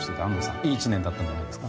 いい１年だったんじゃないですか？